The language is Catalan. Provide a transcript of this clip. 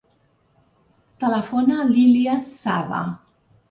Telefona a l'Ilías Sava.